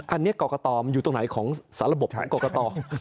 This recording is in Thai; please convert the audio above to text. อันนี้กรกตมันอยู่ตรงไหนของสารบของกรกต